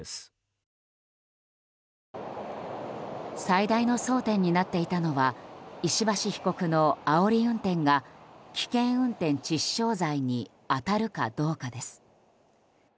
最大の争点になっていたのは石橋被告のあおり運転が危険運転致死傷罪に当たるかどうかです。